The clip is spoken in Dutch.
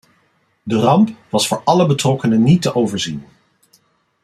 De ramp was voor alle betrokkenen niet te overzien.